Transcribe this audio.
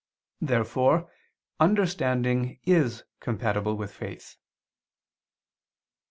Therefore understanding is compatible with faith.